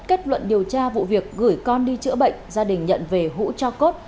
kết luận điều tra vụ việc gửi con đi chữa bệnh gia đình nhận về hũ cho cốt